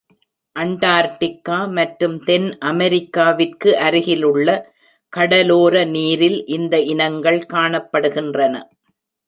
Antarctica மற்றும் தென் அமெரிக்காவிற்கு அருகிலுள்ள கடலோர நீரில் இந்த இனங்கள் காணப்படுகின்றன.